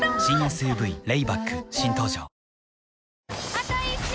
あと１周！